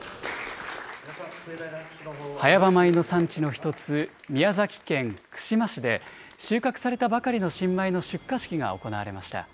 早場米の産地の一つ、宮崎県串間市で収穫されたばかりの新米の出荷式が行われました。